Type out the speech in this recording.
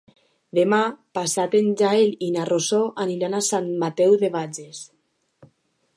Demà passat en Gaël i na Rosó aniran a Sant Mateu de Bages.